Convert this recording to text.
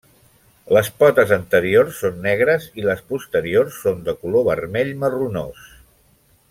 Les potes anteriors són negres i les posteriors són de color vermell marronós.